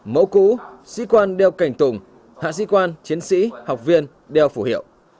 mẫu cũ sĩ quan đeo cảnh tùng hạ sĩ quan chiến sĩ học viên đeo phủ hiệu